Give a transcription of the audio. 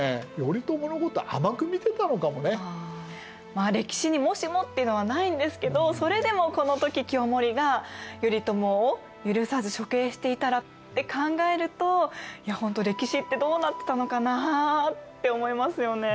まあ歴史にもしもっていうのはないんですけどそれでもこの時清盛が頼朝を許さず処刑していたらって考えるといやほんと歴史ってどうなってたのかなあって思いますよね。